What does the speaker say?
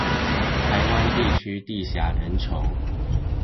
台灣地區地狹人稠